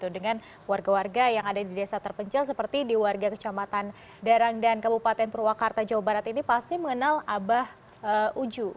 dengan warga warga yang ada di desa terpencil seperti di warga kecamatan darang dan kabupaten purwakarta jawa barat ini pasti mengenal abah uju